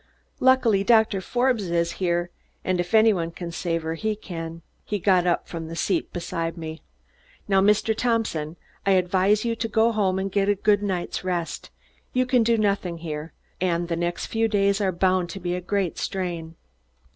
Luckily, Doctor Forbes is here, and if any one can save her, he can." He got up from his seat beside me. "Now, Mr. Thompson, I advise you to go home and get a good night's rest. You can do nothing here, and the next few days are bound to be a great strain."